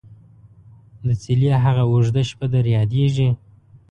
دڅيلې هغه او ژده شپه در ياديژي ?